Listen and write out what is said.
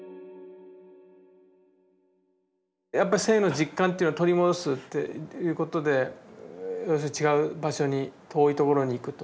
やっぱ生の実感というのを取り戻すっていうことで要するに違う場所に遠いところに行くと。